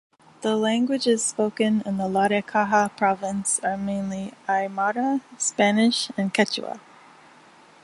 The languages spoken in the Larecaja Province are mainly Aymara, Spanish and Quechua.